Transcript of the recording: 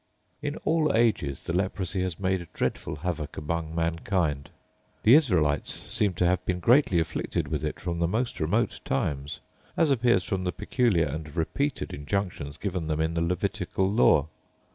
In all ages the leprosy has made dreadful havoc among mankind. The Israelites seem to have been greatly afflicted with it from the most remote times; as appears from the peculiar and repeated injunctions given them in the Levitical law.